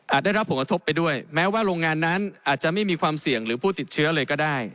ได้รับผลกระทบไปด้วยแม้ว่าโรงงานนั้นอาจจะไม่มีความเสี่ยงหรือผู้ติดเชื้อเลยก็ได้